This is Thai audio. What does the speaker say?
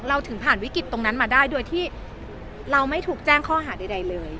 ถึงผ่านวิกฤตตรงนั้นมาได้โดยที่เราไม่ถูกแจ้งข้อหาใดเลย